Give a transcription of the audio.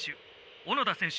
小野田選手